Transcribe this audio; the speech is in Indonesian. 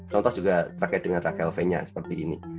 contohnya juga terkait dengan rachel fenya seperti ini